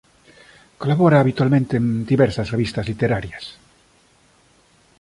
Colabora habitualmente en diversas revistas literarias.